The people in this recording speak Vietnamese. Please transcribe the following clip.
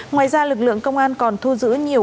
ngoài ra lực lượng công an còn thu giữ nhiều